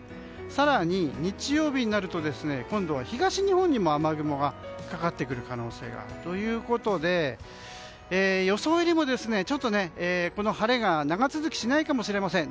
更に、日曜日になると東日本にも雨雲がかかってくる可能性があるということで予想よりも、この晴れが長続きしないかもしれません。